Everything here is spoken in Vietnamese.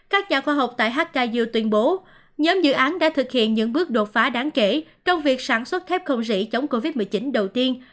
các nhà khoa học tại hkyo tuyên bố nhóm dự án đã thực hiện những bước đột phá đáng kể trong việc sản xuất thép không rỉ chống covid một mươi chín đầu tiên